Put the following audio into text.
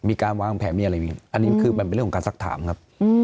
มีการวางแผลมีอะไรอย่างนี้อันนี้คือเป็นเรื่องการสักถามครับ